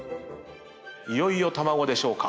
いよいよ卵でしょうか。